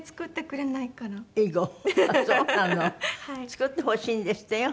作ってほしいんですってよ。